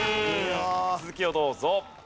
続きをどうぞ。